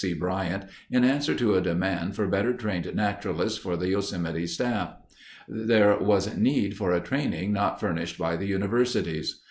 C. Bryant in answer to a demand for better trained naturalists for the Yosemite staff. There was need for a training not furnished by the universities.